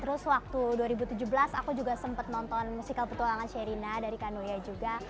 terus waktu dua ribu tujuh belas aku juga sempat nonton musical petualangan serina dari kak nuyah juga